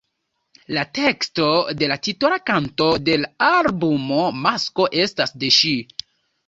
La teksto de la titola kanto de l‘ albumo „Masko“ estas de ŝi.